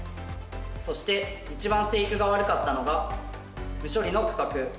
そして一番生育が悪かったのが無処理の区画。